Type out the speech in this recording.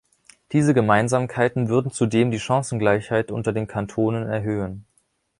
Diese Gemeinsamkeiten würden zudem die Chancengleichheit unter den Kantonen erhöhen.